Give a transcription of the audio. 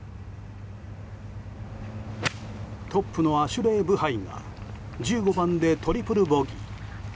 トップのアシュレー・ブハイが１５番でトリプルボギー。